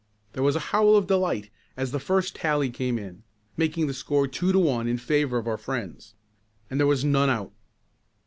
There was a howl of delight as the first tally came in, making the score two to one in favor of our friends. And there was none out.